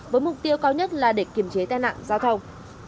với mục tiêu cao nhất là để kiềm chế tai nạn giao thông